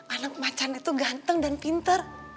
anak macan itu ganteng dan pinter